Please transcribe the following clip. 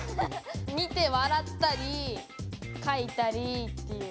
見てわらったりかいたりっていう。